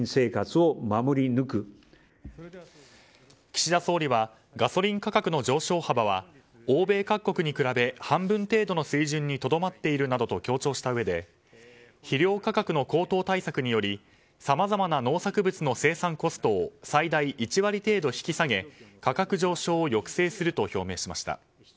岸田総理はガソリン価格の上昇幅は欧米各国に比べ、半分程度の水準にとどまっているなどと強調したうえで肥料価格の高騰対策によりさまざまな農作物の生産コストを最大１割程度引き下げ価格上昇を抑制すると表明しました。